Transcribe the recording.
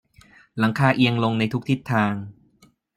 หลังคาเอียงลงในทุกทิศทาง